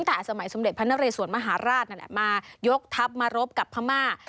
ตั้งแต่สมเด็จพระนเรสวนมหาราชนั่นแหละมายกทัพมารบกับพระม่า